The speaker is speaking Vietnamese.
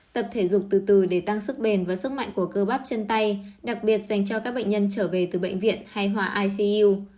tập thể dục từ từ để tăng sức bền và sức mạnh của cơ bắp chân tay đặc biệt dành cho các bệnh nhân trở về từ bệnh viện hài hòa icu